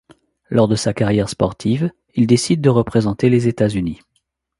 Lors de sa carrière sportive il décide de représenter les États-Unis.